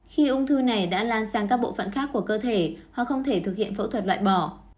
khi ung thư này đã lan sang các bộ phận khác của cơ thể hoặc không thể thực hiện phẫu thuật loại bỏ